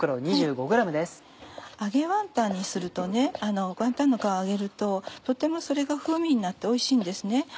揚げワンタンにするとワンタンの皮を揚げるととてもそれが風味になっておいしいんですね。